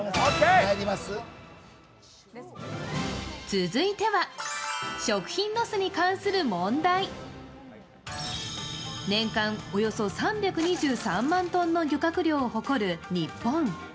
続いては、食品ロスに関する問題年間およそ３２３万トンの漁獲量を誇る日本。